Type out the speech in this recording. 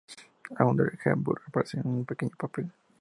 Audrey Hepburn aparece en un pequeño papel.